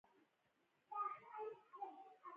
د افغانستان د اقتصادي پرمختګ لپاره پکار ده چې مدرسه وي.